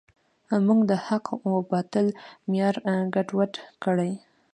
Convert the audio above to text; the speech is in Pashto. موږ د حق و باطل معیار ګډوډ کړی.